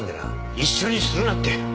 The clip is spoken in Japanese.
一緒にするなって。